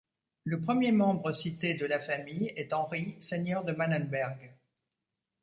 Le premier membre cité de la famille est Henri, seigneur de Mannenberg.